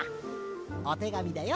おてがみだよ。